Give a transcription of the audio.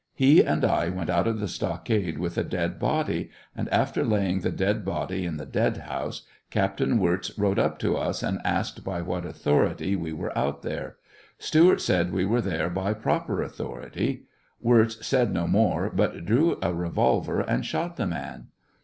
He and I went out of the stockade with a dead body, and after laying the dead body in the dead house, Captain Wirz rode up to us and asked by what authority we were out there. Stewart said we were there by proper authority. Wirz said no more, but drew a revolver and shot the man.